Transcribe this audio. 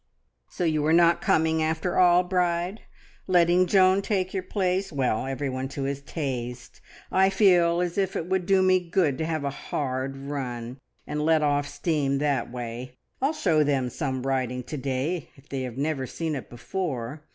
"So you are not coming after all, Bride? Letting Joan take your place? Well, everyone to his taste. I feel as if it would do me good to have a hard run and let off steam that way. I'll show them some riding to day, if they have never seen it before.